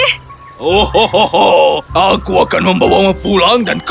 ohohoho aku akan membawamu pulang dan pergi